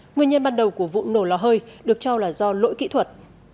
nguyên nhân ban đầu của vụ nổ lò hơi được cho là do lỗi kỹ thuật